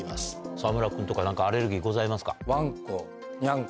沢村君とか何かアレルギーございますか？